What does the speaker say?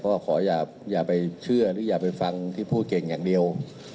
ก็ขออย่าไปเชื่อหรืออย่าไปฟังที่พูดเก่งอย่างเดียว